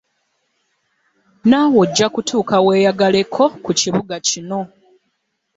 Naawe ojja kutuuka weeyagaleko ku kibuga kino.